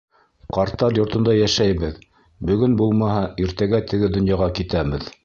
Ҡарттар йортонда йәшәйбеҙ, бөгөн булмаһа, иртәгә теге донъяға китәбеҙ.